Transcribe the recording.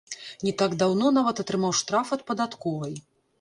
Не так даўно нават атрымаў штраф ад падатковай.